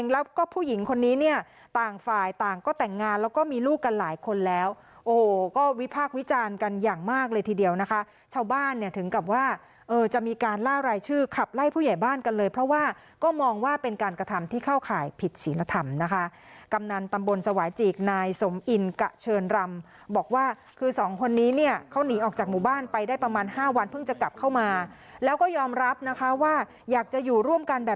ลูกกันหลายคนแล้วโอ้โหก็วิพากษ์วิจารณ์กันอย่างมากเลยทีเดียวนะคะชาวบ้านเนี่ยถึงกับว่าเออจะมีการล่าลายชื่อขับไล่ผู้ใหญ่บ้านกันเลยเพราะว่าก็มองว่าเป็นการกระทำที่เข้าข่ายผิดศีลธรรมนะคะกำนันตำบลสวายจีกนายสมอินกะเชิญรำบอกว่าคือสองคนนี้เนี่ยเขาหนีออกจากหมู่บ้านไปได้ประมาณห้า